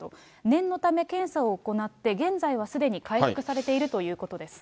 念のため検査を行って、現在はすでに回復されているということです。